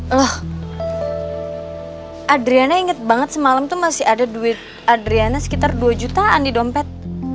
loh adriana inget banget semalam itu masih ada adriana sekitar dua jutaan di dompet